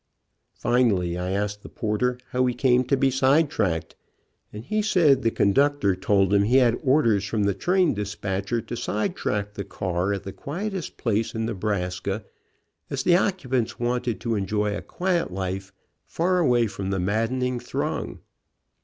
Finally I asked the porter how we came to be sidetracked, and he said the con ductor told him he had orders from the train dis patcher to sidetrack the car at the quietest place in Nebraska, as the occupants wanted to enjoy a quiet life, far away from the maddening throng.